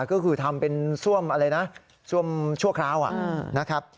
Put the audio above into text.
ก็คือทำเป็นซ่วมอะไรนะซ่วมชั่วคราวนะครับ